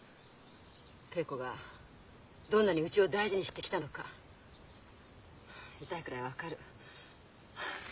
桂子がどんなにうちを大事にしてきたのか痛いくらい分かる。